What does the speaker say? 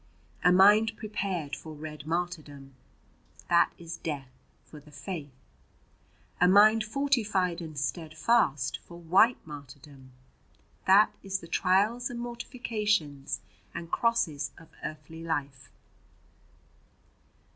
"A mind prepared for red martyrdom that is death for the faith. "A mind fortified and steadfast for white martyrdom that is the trials and mortifications and crosses of earthly life.